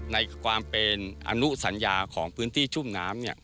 ในความเป็นอนุสัญญาของพื้นที่ชุ่มน้ำ